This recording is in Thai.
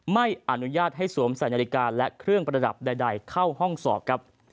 ไม่อนุญาตให้สวมใส่นาฬิกาและเครื่องประดับใดเข้าห้องสอบครับ